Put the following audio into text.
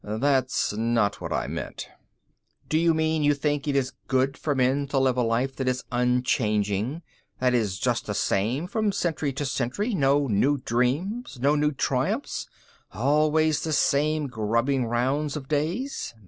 "That's not what I meant." "Do you mean you think it is good for men to live a life that is unchanging, that is just the same from century to century no new dreams, no new triumphs, always the same grubbing rounds of days?